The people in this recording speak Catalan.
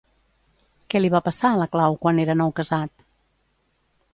Què li va passar a la clau quan era noucasat?